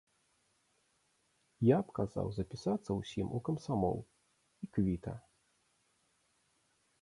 Я б казаў запісацца ўсім у камсамол, і квіта.